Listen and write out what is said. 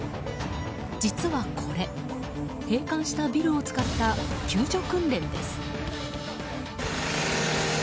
実はこれ、閉館したビルを使った救助訓練です。